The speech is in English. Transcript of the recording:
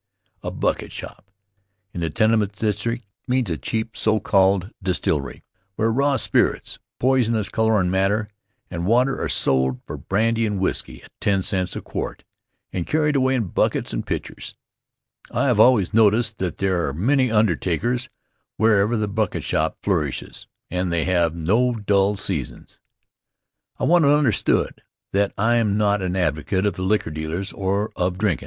A "bucket shop" in the tenement district means a cheap, so called distillery, where raw spirits, poisonous colorin' matter and water are sold for brandy and whisky at ten cents a quart, and carried away in buckets and pitchers; I have always noticed that there are many undertakers wherever the "bucket shop" flourishes, and they have no dull seasons. I want it understood that I'm not an advocate of the liquor dealers or of drinkin'.